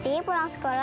aku akan menyesal